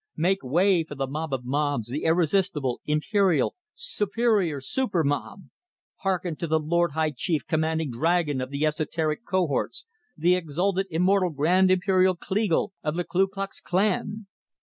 Make way for the Mob of Mobs, the irresistible, imperial, superior super mob! Hearken to the Lord High Chief Commanding Dragon of the Esoteric Cohorts, the Exalted Immortal Grand Imperial Kleagle of the Ku Klux Klan!"